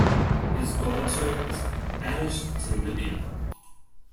His daughter was banished to Libya.